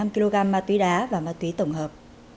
năm kg ma túy đá và ma túy tổng hợp